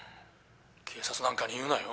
「警察なんかに言うなよ。